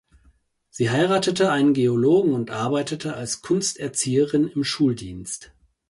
Sie heiratete einen Geologen und arbeitete als Kunsterzieherin im Schuldienst.